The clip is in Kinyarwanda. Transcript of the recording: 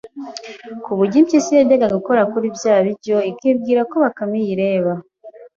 ku buryo impyisi yajyaga gukora kuri bya biryo ikibwira ko Bakame iyireba